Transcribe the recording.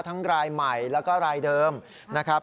รายใหม่แล้วก็รายเดิมนะครับ